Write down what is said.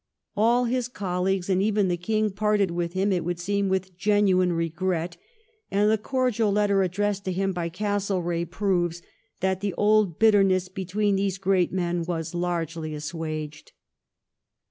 All his colleagues and even the King parted with him, it would seem, with genuine regret, and the cordial letter addressed to him by Castlereagh proves that the old bitterness between these great men was largely assuaged.